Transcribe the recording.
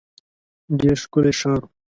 ډېر ښکلی ښار وو.